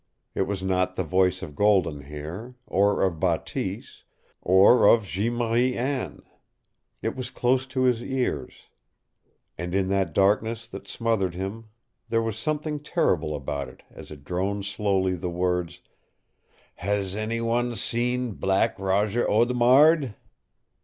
It was not the voice of Golden Hair, or of Bateese, or of Jeanne Marie Anne. It was close to his ears. And in that darkness that smothered him there was something terrible about it as it droned slowly the words "HAS ANY ONE SEEN BLACK ROGER AUDEMARD?"